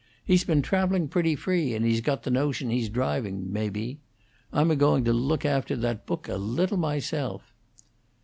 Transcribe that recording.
He's been travelling pretty free, and he's got the notion he's driving, maybe. I'm a going to look after that book a little myself."